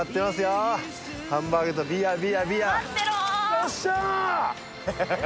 よっしゃ！